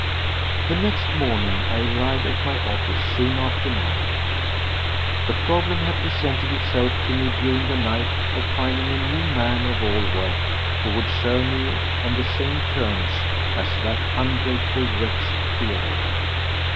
The next morning I arrived at my office soon after nine. The problem had presented itself to me during the night of finding a new man of all work who would serve me on the same terms as that ungrateful wretch Theodore.